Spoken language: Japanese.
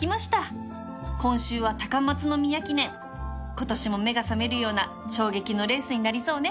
今年も目が覚めるような衝撃のレースになりそうね